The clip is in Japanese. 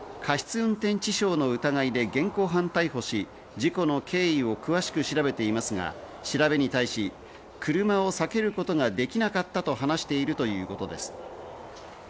運転致傷の疑いで現行犯逮捕し、事故の経緯を詳しく調べていますが、調べに対し、車を避けることができなかったと話しているということです。